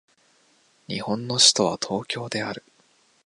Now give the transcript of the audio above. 日本の首都は東京である